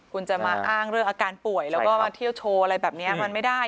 คุณจะมาอ้างเรื่องอาการป่วยแล้วก็มาเที่ยวโชว์อะไรแบบนี้มันไม่ได้